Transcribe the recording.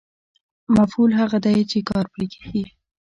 مفعول هغه دی چې کار پرې کېږي.